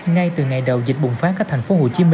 ngay từ ngày đầu dịch bùng phát ở tp hcm